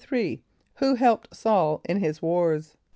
= Who helped S[a:]ul in his wars?